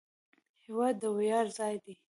هېواد د ویاړ ځای دی.